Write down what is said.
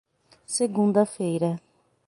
Segunda-feira.